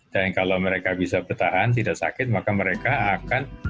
dan kalau mereka bisa bertahan tidak sakit maka mereka akan